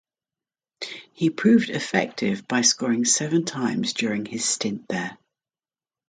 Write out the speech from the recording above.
He proved effective by scoring seven times during his stint there.